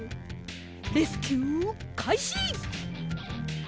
レスキューかいし！